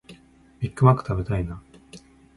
ビッグマック食べたいなあ